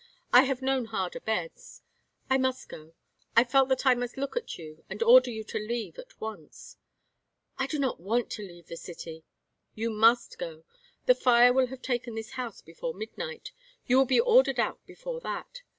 I have known harder beds. I must go. I felt that I must look at you and order you to leave at once." "I don't want to leave the city." "You must go. The fire will have taken this house before midnight. You will be ordered out before that.